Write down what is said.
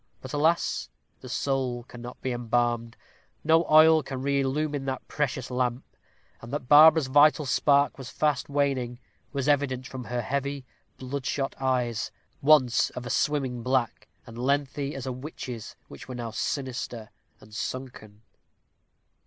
But, alas! the soul cannot be embalmed. No oil can re illumine that precious lamp! And that Barbara's vital spark was fast waning, was evident from her heavy, blood shot eyes, once of a swimming black, and lengthy as a witch's, which were now sinister and sunken.